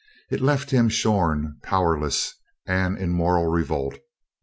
It left him shorn, powerless, and in moral revolt.